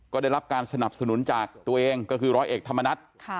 ก็ได้รับการสนับสนุนจากตัวเองก็คือร้อยเอกธรรมนัฐ